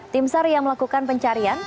tim sar yang melakukan pencarian